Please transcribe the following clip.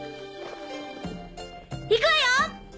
行くわよ！